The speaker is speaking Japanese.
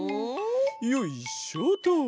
よいしょと。